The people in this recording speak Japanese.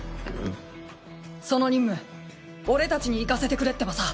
その任務俺たちに行かせてくれってばさ。